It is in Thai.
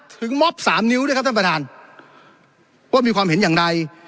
ม็อบสามนิ้วด้วยครับท่านประธานว่ามีความเห็นอย่างใด